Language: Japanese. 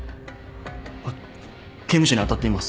あっ刑務所にあたってみます。